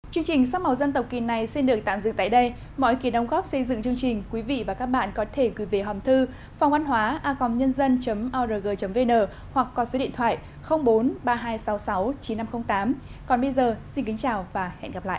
chương trình sắp màu dân tộc kỳ này xin được tạm dựng tại đây mọi kỳ đóng góp xây dựng chương trình quý vị và các bạn có thể gửi về hòm thư phòngvănhoaacomnn org vn hoặc qua số điện thoại bốn ba mươi hai sáu mươi sáu chín nghìn năm trăm linh tám còn bây giờ xin kính chào và hẹn gặp lại